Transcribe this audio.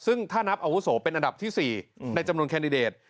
ซึ่งถ้านับอาวุโสเป็นอันดับที่๔ในจำนวนแคนดิเดต